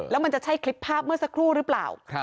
แล้วมันจะใช่คลิปภาพเมื่อสักครู่หรือเปล่า